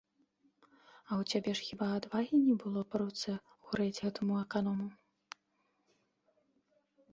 А ў цябе ж хіба адвагі не было па руцэ ўгрэць таму аканому?